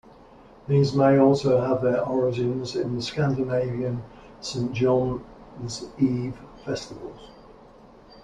These may also have their origins in the Scandinavian Saint John's Eve festivities.